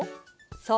そう。